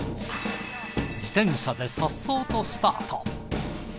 自転車でさっそうとスタート。